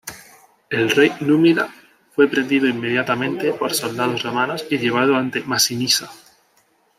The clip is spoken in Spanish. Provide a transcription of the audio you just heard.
El rey númida fue prendido inmediatamente por soldados romanos y llevado ante Masinisa.